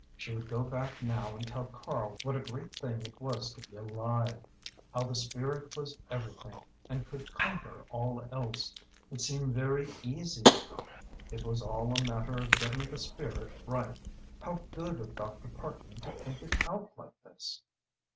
She would go back now and tell Karl what a great thing it was to be alive, how the spirit was everything, and could conquer all else. It seemed very easy now. It was all a matter of getting the spirit right; how good of Dr. Parkman to think it out like this.